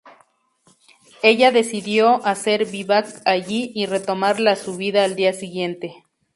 Ella decidió hacer vivac allí y retomar la subida al día siguiente.